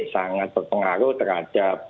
sangat berpengaruh terhadap kanker